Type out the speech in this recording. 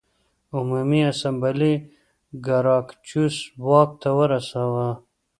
عمومي اسامبلې ګراکچوس واک ته ورساوه